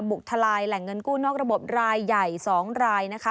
ทลายแหล่งเงินกู้นอกระบบรายใหญ่๒รายนะคะ